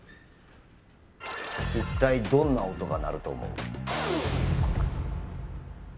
一体どんな音が鳴ると思う？